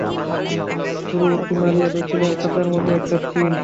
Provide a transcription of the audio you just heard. গুরু উঁকি মারিয়া দেখিলেন, খাঁচার মধ্যে একটা চিল।